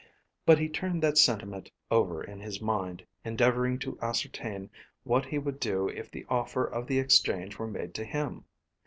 But he turned that sentiment over in his mind, endeavouring to ascertain what he would do if the offer of the exchange were made to him.